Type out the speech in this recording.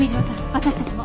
私たちも。